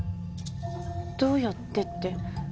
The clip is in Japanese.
どうやってって。